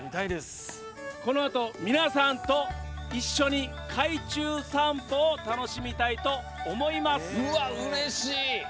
このあと、皆さんと一緒に海中散歩を楽しみたいと思います。